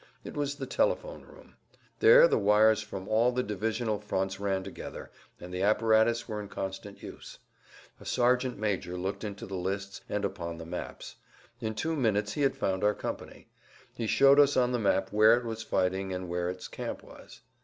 It was the telephone room. There the wires[Pg 170] from all the divisional fronts ran together, and the apparatus were in constant use. A sergeant major looked into the lists and upon the maps. In two minutes he had found our company. He showed us on the map where it was fighting and where its camp was.